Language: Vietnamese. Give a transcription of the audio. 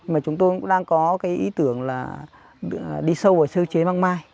mà chúng tôi cũng đang có cái ý tưởng là đi sâu vào sơ chế măng mai